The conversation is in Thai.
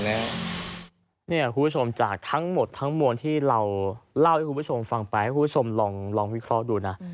คุณผู้ชมจากทั้งหมดทั้งมวลที่เราเล่าให้คุณผู้ชมฟังไปให้คุณผู้ชมลองวิเคราะห์ดูนะ